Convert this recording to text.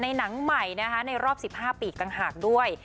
หนังใหม่นะคะในรอบ๑๕ปีต่างหากด้วย